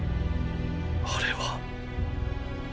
あれは。